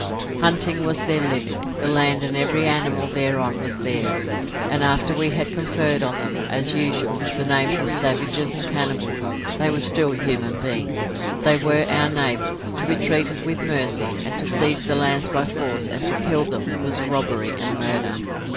Hunting was their living; the land and every animal thereon was theirs; and after we had conferred on them, as usual, the names of savages and cannibals, they were still human beings; they were our neighbours, to be treated with mercy; and to seize their lands by force and to kill them was robbery and murder.